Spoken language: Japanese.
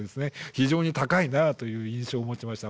非常に高いなあという印象を持ちました。